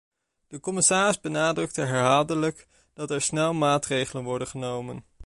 De commissaris benadrukte herhaaldelijk dat er snel maatregelen worden genomen.